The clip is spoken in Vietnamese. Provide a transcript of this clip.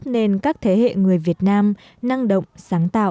nên các thế hệ người việt nam năng động sáng tạo